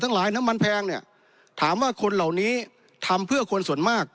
หลายน้ำมันแพงเนี่ยถามว่าคนเหล่านี้ทำเพื่อคนส่วนมาก